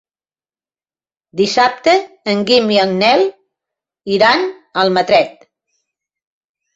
Dissabte en Guim i en Nel iran a Almatret.